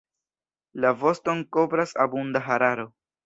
La voston kovras abunda hararo.